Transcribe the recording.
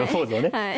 はい。